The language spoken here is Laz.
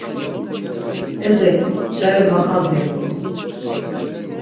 Ezek cari var xazirumtu.